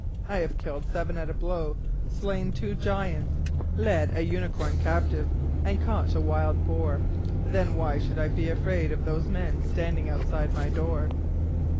I have killed seven at a blow, slain two giants, led a unicorn captive, and caught a wild boar, then why should I be afraid of those men standing outside my door?"